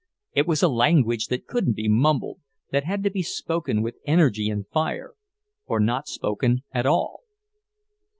It was a language that couldn't be mumbled; that had to be spoken with energy and fire, or not spoken at all.